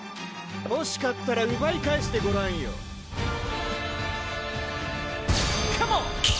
ほしかったらうばい返してごらんよカモン！